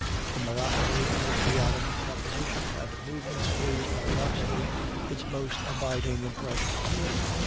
The monotony of the chaotic composition and movement is, paradoxically, its most abiding impression.